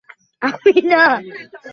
একটা সাইনবোর্ড তো লাগাতে পারো।